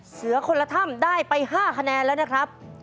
เสือคนละถ้ำได้ไป๕คะแนนแล้วนะครับ